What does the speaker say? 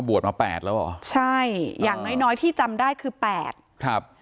มาแปดแล้วเหรอใช่อย่างน้อยน้อยที่จำได้คือแปดครับ